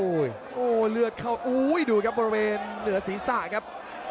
โอ้โหเลือดเข้าอุ้ยดูครับบริเวณเหนือศีรษะครับ